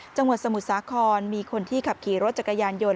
สมุทรสาครมีคนที่ขับขี่รถจักรยานยนต